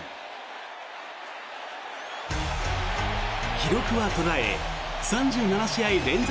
記録は途絶え３７試合連続